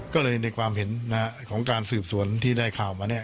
ก็เลยในความเห็นของการสืบสวนที่ได้ข่าวมาเนี่ย